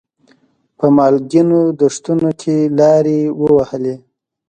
په مالګینو دښتونو کې لارې ووهلې.